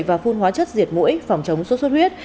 và phun hóa chất diệt mũi phòng chống sốt xuất huyết